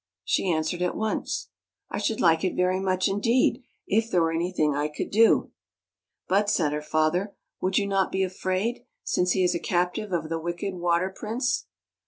She answered at once: " I should like it very much indeed, if there were anything I could do." " But," said her father, " would you not be afraid, since he is a captive of the wicked Water Prince?"